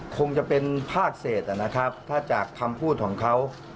คงจะเป็นภาคเศษนะครับถ้าจากคำพูดของเขา